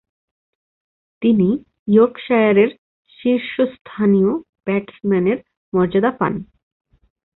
তিনি ইয়র্কশায়ারের শীর্ষস্থানীয় ব্যাটসম্যানের মর্যাদা পান।